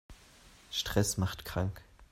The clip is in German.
Stress macht krank.